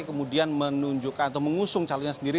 kemudian menunjukkan atau mengusung calonnya sendiri